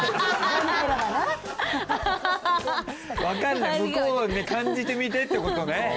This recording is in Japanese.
わかんない向こうで感じてみてってことね。